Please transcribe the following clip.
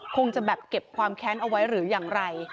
คงจะแบบเก็บความแค้นเอาไว้หรืออย่างไร